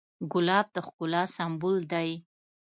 ګلاب د ښکلا سمبول دی.